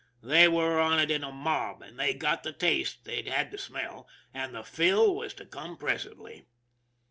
They were on it in a mob, and they got the taste they'd had the smell and the fill was to come presently.